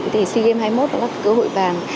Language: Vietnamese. thì sea games ba mươi một đã có cơ hội bàn